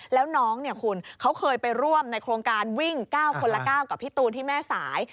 แล้วน้องเนี่ยคุณเขาเคยไปร่วมในโครงการวิ่ง๙คนละ๙กับพี่ตูนที่แม่สาย